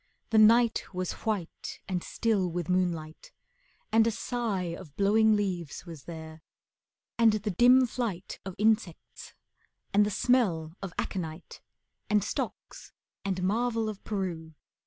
The night Was white and still with moonlight, and a sigh Of blowing leaves was there, and the dim flight Of insects, and the smell of aconite, And stocks, and Marvel of Peru.